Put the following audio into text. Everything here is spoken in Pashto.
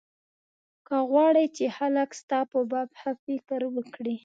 که غواړې چې خلک ستا په باب ښه فکر وکړي.